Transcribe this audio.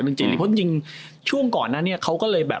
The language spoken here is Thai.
จริงเพราะจริงช่วงก่อนนั้นเนี่ยเขาก็เลยแบบ